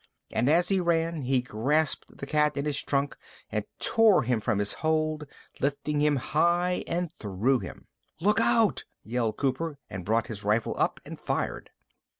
And as he ran, he grasped the cat in his trunk and tore him from his hold, lifted him high and threw him. "Look out!" yelled Cooper and brought his rifle up and fired.